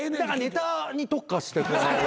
ネタに特化して。